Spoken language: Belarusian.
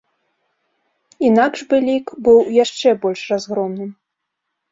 Інакш бы лік быў яшчэ больш разгромным.